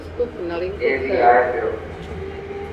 اي بي ائي پيو.